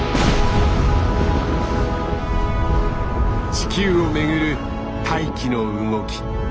地球を巡る大気の動き。